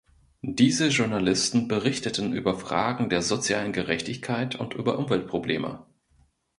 Diese Journalisten berichteten über Fragen der sozialen Gerechtigkeit und über Umweltprobleme.